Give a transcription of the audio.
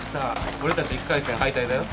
俺たち一回戦敗退だよ。